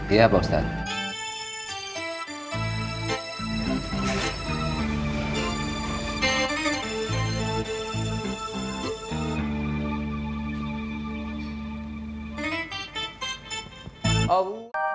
iya pak ustadz